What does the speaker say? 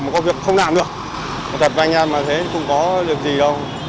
mà có việc không làm được thật với anh em mà thế cũng có được gì đâu